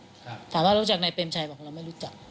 ถามว่ารู้จักนายเปรมชัยบอกเราไม่รู้จัก